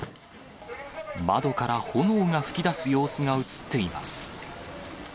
窓から炎が噴き出す様子が写っています。